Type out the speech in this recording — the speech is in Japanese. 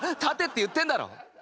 立てって言ってんだろ。